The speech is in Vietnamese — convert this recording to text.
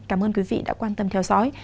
cảm ơn quý vị đã quan tâm theo dõi